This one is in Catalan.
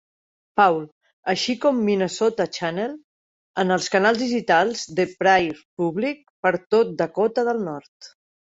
Paul, així com "Minnesota Channel" en els canals digitals de Prairie Public per tot Dakota de el Nord.